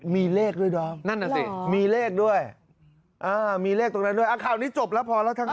มีเลขด้วยหรอมีเลขด้วยมีเลขตรงนั้นด้วยค่ะข่าวนี้จบแล้วพอแล้วทั้งค่ะ